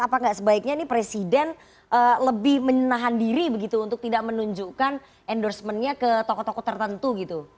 apa nggak sebaiknya ini presiden lebih menahan diri begitu untuk tidak menunjukkan endorsementnya ke tokoh tokoh tertentu gitu